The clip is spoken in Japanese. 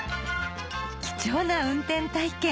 貴重な運転体験